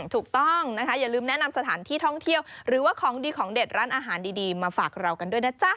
ถูกต้องนะคะอย่าลืมแนะนำสถานที่ท่องเที่ยวหรือว่าของดีของเด็ดร้านอาหารดีมาฝากเรากันด้วยนะจ๊ะ